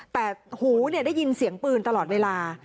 แต่หูได้ยินเสียงปืนตลอดเวลา